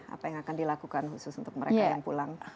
apa yang akan dilakukan khusus untuk mereka yang pulang